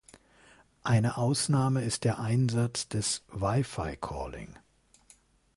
Eine Ausnahme ist der Einsatz des Wi-Fi Calling.